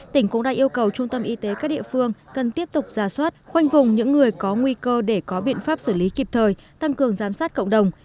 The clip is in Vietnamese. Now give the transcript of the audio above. tỉnh cũng đã yêu cầu trung tâm y tế các địa phương cần tiếp tục ra soát khoanh vùng những người có nguy cơ để có biện pháp xử lý kịp thời tăng cường giám sát cộng đồng